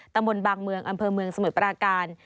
ตำบลบางเมืองอำเภอเมืองสมุทรปราการ